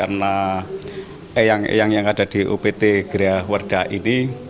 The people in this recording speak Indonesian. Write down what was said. eang eang yang ada di upt kerajaan wreda ini